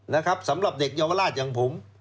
นะครับสำหรับเด็กเยาวราชอย่างผม